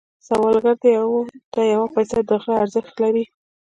سوالګر ته یو پيسه د غره ارزښت لري